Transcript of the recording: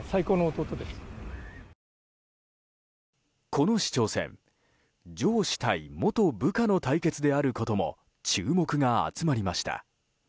この市長選上司対元部下の対決であることも注目が集まりました。